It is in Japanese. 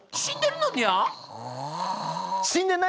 死んでるのにゃー？